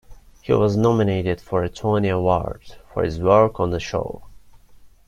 He was nominated for a Tony Award for his work on the show.